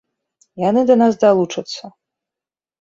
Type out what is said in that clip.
Яны да нас далучацца.